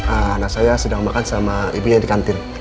anak saya sedang makan sama ibunya di kantin